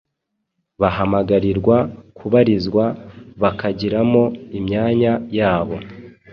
bahamagarirwa kubarizwa bakagiramo imyanya yabo.